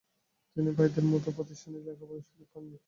তিনি ভাইদের মত প্রাতিষ্ঠানিক লেখাপড়ার সুযোগ পাননি।